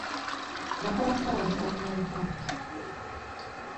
Nakolanga wano okumala ebbanga.